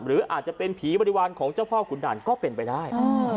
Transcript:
หรืออาจจะเป็นผีบริวารของเจ้าพ่อขุนด่านก็เป็นไปได้